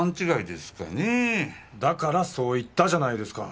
だからそう言ったじゃないですか。